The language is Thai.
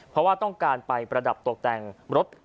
เพราะว่าต้องการไปประดับตกแต่งรถ